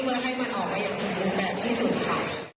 เพื่อให้มันออกมาอย่างสมบูรณ์แบบที่สุดค่ะ